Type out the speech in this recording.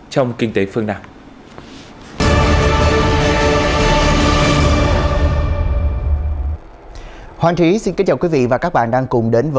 trong kinh tế phát triển của đà nẵng